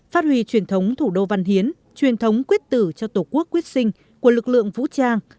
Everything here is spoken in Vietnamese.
phát huy truyền thống thủ đô văn hiến truyền thống quyết tử cho tổ quốc quyết sinh của lực lượng vũ trang